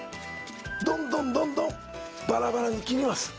どんどんどんどんバラバラに切ります